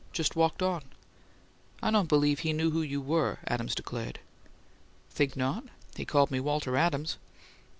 Just walked on." "I don't believe he knew who you were," Adams declared. "Think not? He called me 'Walter Adams.'"